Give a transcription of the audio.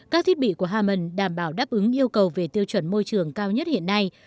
các thiết bị của haman đảm bảo đáp ứng yêu cầu về tiêu chuẩn môi trường cao nhất hiện nay